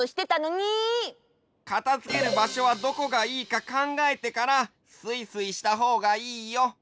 かたづけるばしょはどこがいいかかんがえてからスイスイしたほうがいいよ！